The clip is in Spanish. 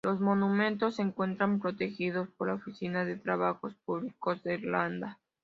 Los monumentos se encuentran protegidos por la Oficina de Trabajos Públicos de Irlanda.